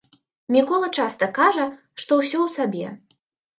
Мікола часта кажа, што ўсё ў сабе.